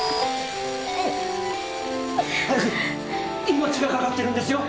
命が懸かってるんですよ！